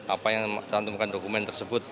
apa yang cantumkan dokumen tersebut